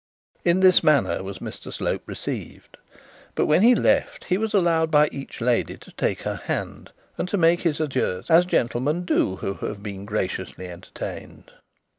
In this manner was Mr Slope received. But when he left, he was allowed by each lady to take her hand, and to make his adieux as gentlemen do who have been graciously entertained!